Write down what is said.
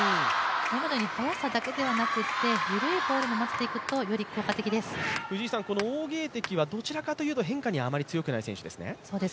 今のように速さだけではなくて緩いボールもまぜていくと王ゲイ迪はどちらかというと変化に強くないですか？